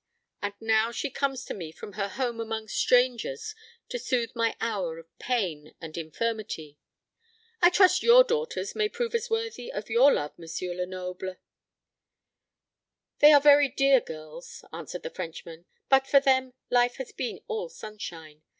And now she comes to me from her home among strangers, to soothe my hour of pain and infirmity. I trust your daughters may prove as worthy of your love, M. Lenoble." "They are very dear girls," answered the Frenchman; "but for them life has been all sunshine.